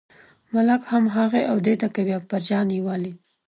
ملک هم هغې او دې ته کوي، اکبرجان یې ولیده.